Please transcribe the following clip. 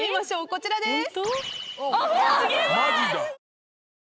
こちらです。